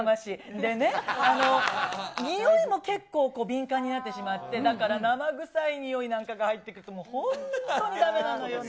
でね、においも結構敏感になってしまって、だから生臭いにおいなんかが入ってくると、本当にだめなのよね。